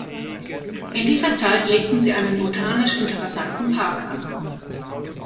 In dieser Zeit legten sie einen botanisch interessanten Park an.